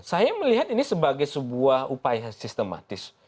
saya melihat ini sebagai sebuah upaya sistematis